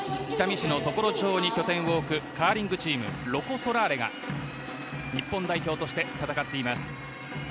北見市の常呂町に拠点を置くカーリングチームロコ・ソラーレが日本代表として戦っています。